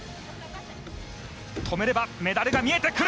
止めればメダルが見えてくる。